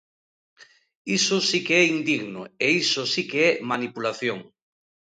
Iso si que é indigno, e iso si que é manipulación.